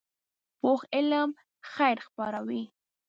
پوخ علم خیر خپروي